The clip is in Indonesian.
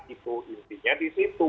itu intinya di situ